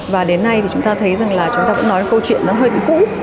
và đến nay thì chúng ta thấy rằng là chúng ta vẫn nói câu chuyện nó hơi bị cũ